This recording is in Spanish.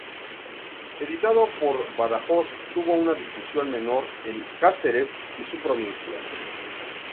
Editado en Badajoz, tuvo una difusión menor en Cáceres y su provincia.